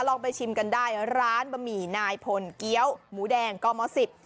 ลองไปชิมกันได้ร้านบะหมี่นายพลเกี้ยวหมูแดงกมสิบ